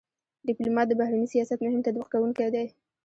ډيپلومات د بهرني سیاست مهم تطبیق کوونکی دی.